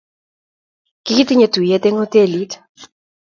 kikitinye tuyie eng' hotelit